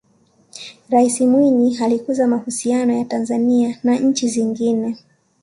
raisi mwinyi alikuza mahusiano ya tanzania na nchi zingine